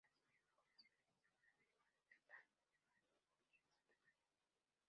Así mismo, comercializa un derivado del brandy llamado Ponche Santa María.